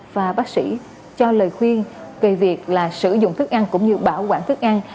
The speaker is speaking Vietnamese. và bác sĩ cho lời khuyên về việc là sử dụng thức ăn cũng như bảo quản thức ăn